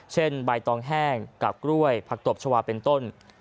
ใบตองแห้งกับกล้วยผักตบชาวาเป็นต้น